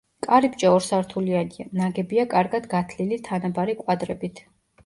კარიბჭე ორსართულიანია, ნაგებია კარგად გათლილი თანაბარი კვადრებით.